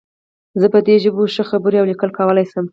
زه په دې ژبو ښې خبرې او لیکل کولی شم